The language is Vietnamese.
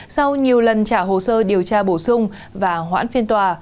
sau nhiều lần trả hồ sơ điều tra bổ sung và hoãn phiên tòa